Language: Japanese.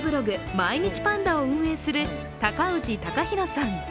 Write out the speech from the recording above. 「毎日パンダ」を運営する高氏貴博さん。